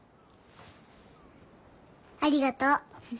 ありがとう。